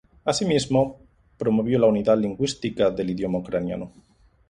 Asimismo, promovió la unidad lingüística del idioma ucraniano.